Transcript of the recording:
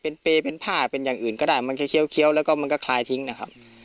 เป็นเปย์เป็นผ้าเป็นอย่างอื่นก็ได้มันแค่เคี้ยวแล้วก็มันก็คลายทิ้งนะครับ